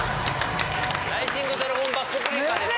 ライジングドラゴン・バックブリーカーですよ。